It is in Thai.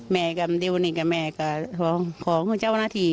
แม่กับดิวนี่กับแม่ก็ของเจ้าหน้าที่